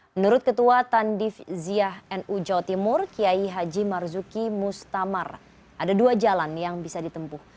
menurut ketua tandif ziyah nu jawa timur kiai haji marzuki mustamar ada dua jalan yang bisa ditempuh